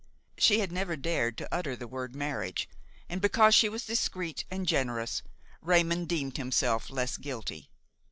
She had never dared to utter the word marriage, and because she was discreet and generous, Raymon deemed himself less guilty.